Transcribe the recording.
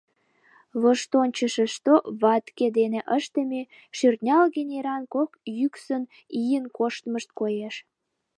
Воштончышышто ватке дене ыштыме, шӧртнялге неран кок йӱксын ийын коштмышт коеш..